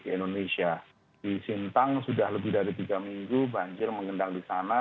di indonesia di sintang sudah lebih dari tiga minggu banjir mengendang di sana